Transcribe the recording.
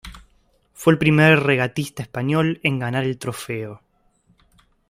Fue el primer regatista español en ganar el trofeo.